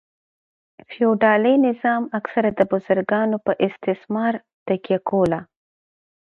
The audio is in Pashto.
فیوډالي نظام اکثره د بزګرانو په استثمار تکیه کوله.